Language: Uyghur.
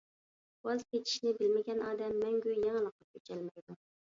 ۋاز كېچىشنى بىلمىگەن ئادەم مەڭگۈ يېڭىلىققا كۆچەلمەيدۇ.